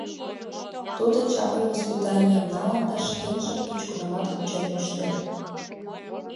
Тудо чапле воспитанийым налын да шкенжым кеч-кунамат кучен моштен.